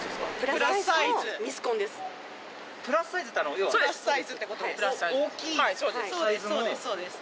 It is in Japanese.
プラスサイズってことです。